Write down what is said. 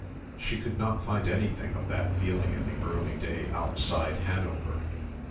She could not find anything of that feeling in the early day outside Hanover.